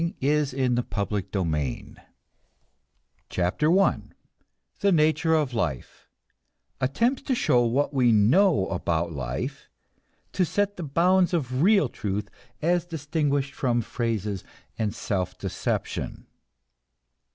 PART ONE THE BOOK OF THE MIND CHAPTER I THE NATURE OF LIFE (Attempts to show what we know about life; to set the bounds of real truth as distinguished from phrases and self deception.)